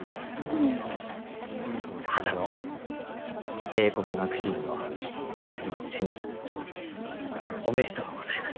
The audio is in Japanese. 波多野帝国学士院の会員選任おめでとうございます。